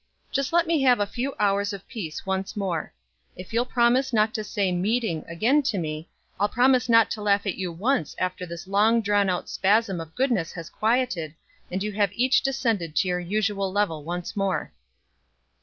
Just let me have a few hours of peace once more. If you'll promise not to say 'meeting' again to me, I'll promise not to laugh at you once after this long drawn out spasm of goodness has quieted, and you have each descended to your usual level once more."